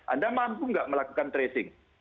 anda mampu nggak melakukan tracing